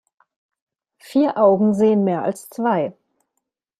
Vier Augen sehen mehr als zwei.